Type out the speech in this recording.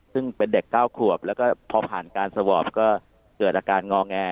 ซึ่งเป็นเด็ก๙ขวบแล้วก็พอผ่านการสวอปก็เกิดอาการงอแง